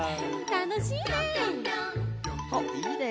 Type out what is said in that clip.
たのしいね。